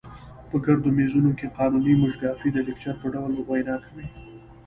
په ګردو میزونو کې قانوني موشګافۍ د لیکچر په ډول وینا کوي.